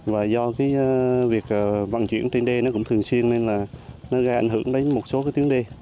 và do cái việc vận chuyển trên đê nó cũng thường xuyên nên là nó gây ảnh hưởng đến một số cái tuyến đê